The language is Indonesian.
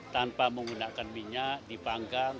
tanpa menggunakan minyak dipanggang